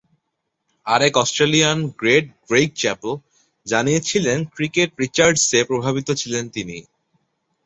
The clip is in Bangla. আরেক অস্ট্রেলিয়ান গ্রেট গ্রেগ চ্যাপেল জানিয়েছিলেন ক্রিকেটে রিচার্ডসে প্রভাবিত ছিলেন তিনি।